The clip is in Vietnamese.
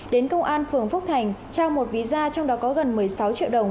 đến công an phường phúc thành trao một ví da trong đó có gần một mươi sáu triệu đồng